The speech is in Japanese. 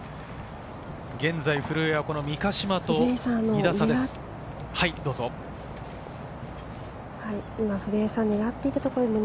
現在、古江は三ヶ島と２打差です。